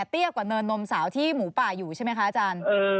เตี้ยกว่าเนินนมสาวที่หมูปายอยู่ใช่ไหมครับอาจารย์